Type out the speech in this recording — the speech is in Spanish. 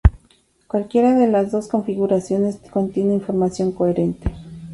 Cualquiera de las dos configuraciones contiene información coherente.